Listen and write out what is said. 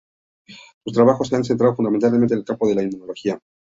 Sus trabajos se han centrado fundamentalmente en el campo de la inmunología.